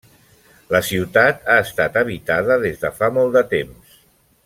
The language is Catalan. La ciutat ha estat habitada des de fa molt de temps.